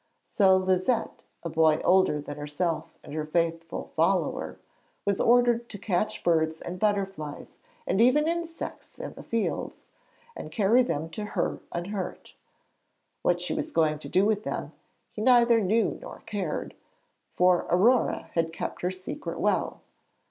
So Liset, a boy older than herself and her faithful follower, was ordered to catch birds and butterflies and even insects in the fields, and carry them to her, unhurt. What she was going to do with them, he neither knew nor cared, for Aurore had kept her secret well.